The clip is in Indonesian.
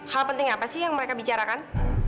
hal penting apa sih yang mereka bicarakan